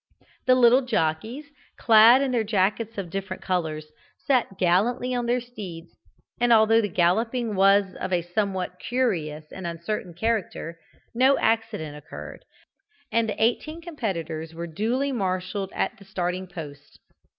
The little jockeys, clad in their jackets of different colours, sat gallantly on their steeds, and although the galloping was of a somewhat curious and uncertain character, no accident occurred, and the eighteen competitors were duly marshalled at the starting post.